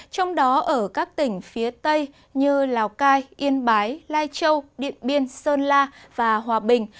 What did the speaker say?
trong đó ở các tỉnh phía tây như lào cai yên bái lai châu điện biên sơn la và hòa bình